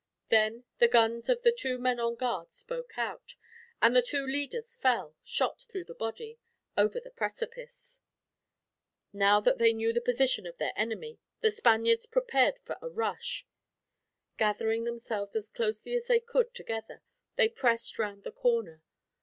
Then the guns of the two men on guard spoke out, and the two leaders fell, shot through the body, over the precipice. Now that they knew the position of their enemy, the Spaniards prepared for a rush. Gathering themselves as closely as they could together, they pressed round the corner.